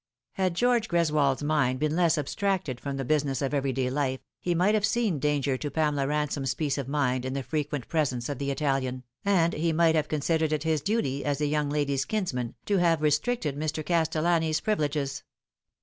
Had George Greswold's mind been less abstracted from the business of every day life he might have seen danger to Pamela Ransome's peace of mind in the frequent presence of the Italian, and he might have considered it his duty, as the young lady's kinsman, to have restricted Mr. Castellani's privileges.